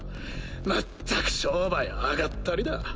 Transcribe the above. まったく商売あがったりだ。